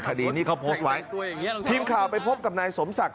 คดีนี้เขาโพสต์ไว้ทีมข่าวไปพบกับนายสมศักดิ